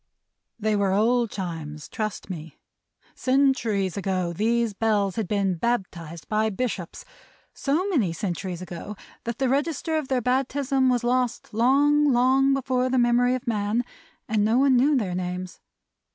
They were old Chimes, trust me. Centuries ago, these Bells had been baptized by bishops: so many centuries ago, that the register of their baptism was lost long, long before the memory of man, and no one knew their names.